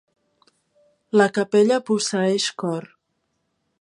La capella posseeix cor.